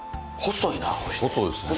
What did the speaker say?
細いっすね。